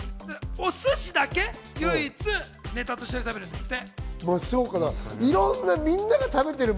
お寿司だけ唯一、ネタとして食べるんですって。